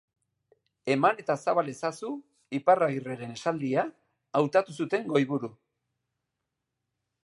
Eman eta zabal ezazu, Iparragirreren esaldia, hautatu zuten goiburu.